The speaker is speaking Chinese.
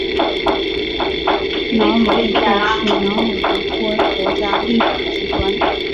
瑙鲁议会是瑙鲁的国家立法机关。